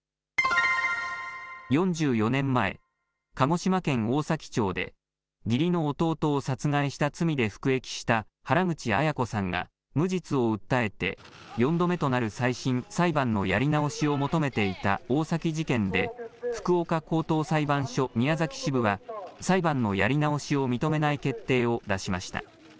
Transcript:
４４年前、鹿児島県大崎町で、義理の弟を殺害した罪で服役した原口アヤ子さんが無実を訴えて、４度目となる再審・裁判のやり直しを求めていた大崎事件で、福岡高等裁判所宮崎支部は、裁判のやり直しを認めない決定を出しました。